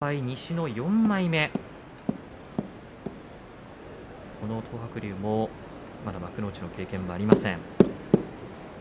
土俵上は西の４枚目東白龍、まだ幕内の経験はありません。